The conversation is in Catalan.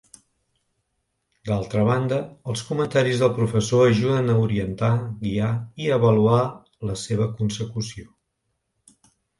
D’altra banda, els comentaris del professor ajuden a orientar, guiar i avaluar la seva consecució.